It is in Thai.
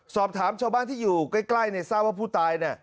สอบถามชาวบ้านที่อยู่ใกล้เนี่ยทราบว่าผู้ตายเนี่ย